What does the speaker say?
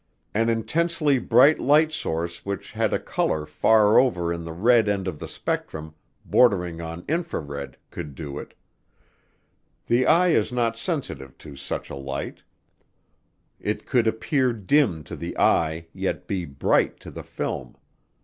An intensely bright light source which had a color far over in the red end of the spectrum, bordering on infrared, could do it. The eye is not sensitive to such a light, it could appear dim to the eye yet be "bright" to the film.